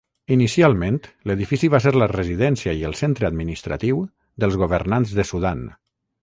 Inicialment, l'edifici va ser la residència i el centre administratiu dels governants de Sudan.